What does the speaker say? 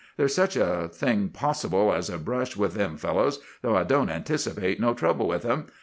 There's such a thing possible as a brush with them fellows, though I don't anticipate no trouble with 'em.